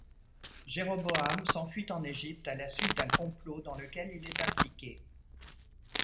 Jéroboam s'enfuit en Égypte à la suite d'un complot dans lequel il est impliqué.